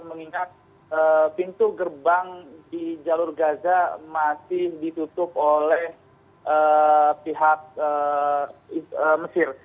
mengingat pintu gerbang di jalur gaza masih ditutup oleh pihak mesir